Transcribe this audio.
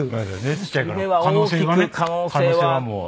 ちっちゃいから可能性はね。